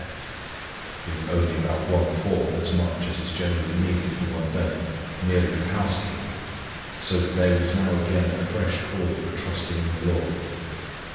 left, being only about one fourth as much as is generally needed for one day, merely for housekeeping, so that there was now again a fresh call for trusting in the Lord.